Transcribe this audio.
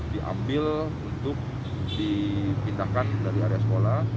diambil untuk dipindahkan dari area sekolah